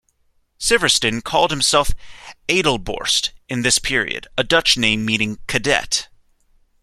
Sivertsen called himself "Adelborst" in this period, a Dutch name meaning "cadet".